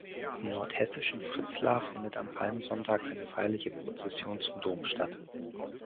Im nordhessischen Fritzlar findet am Palmsonntag eine feierliche Prozession zum Dom statt.